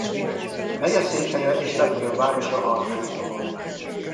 Megyeszékhelye és legnagyobb városa Arco.